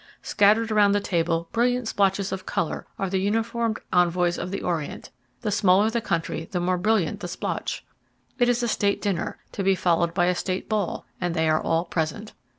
Scattered around the table, brilliant splotches of color, are the uniformed envoys of the Orient the smaller the country the more brilliant the splotch. It is a state dinner, to be followed by a state ball, and they are all present.